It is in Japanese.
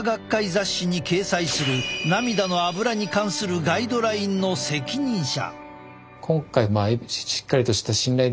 雑誌に掲載する涙のアブラに関するガイドラインの責任者。